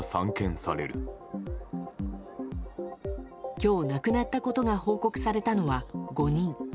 今日亡くなったことが報告されたのは５人。